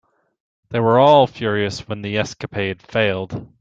They were all furious when the escapade failed.